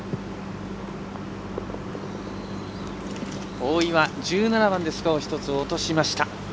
大岩、１７番でスコアを１つ落としました。